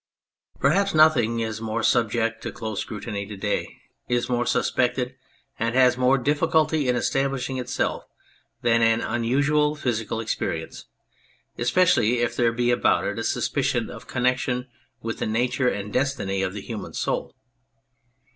70 On Believing Perhaps nothing is more subject to close scrutiny to day, is more suspected, and has more difficulty in establishing itself than an unusual physical experi ence, especially if there be about it a suspicion of connection with the nature and destiny of the human soul.